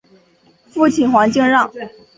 父亲黄敬让。